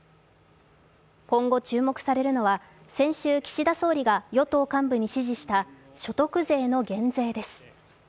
今後注目されるのは先週、岸田総理が与党幹部に指示した所得税の減税です。